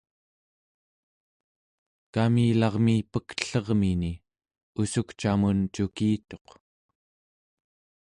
kamilarmi pektellermini ussukcamun cukituq